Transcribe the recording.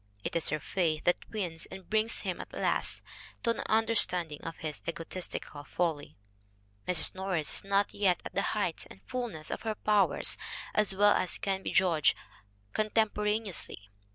It is her faith that wins and that brings him at last to an understanding of his egotistical folly. Mrs. Norris is not yet at the height and fullness of her powers, as well as can be judged contemporane ously.